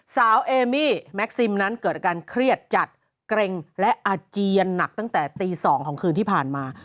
เอมี่แม็กซิมนั้นเกิดอาการเครียดจัดเกร็งและอาเจียนหนักตั้งแต่ตี๒ของคืนที่ผ่านมา